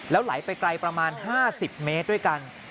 ไหลไปไกลประมาณ๕๐เมตรด้วยกัน